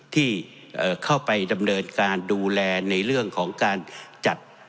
ที่เข้าไปดำเนินการดูแลในเรื่องของการจัด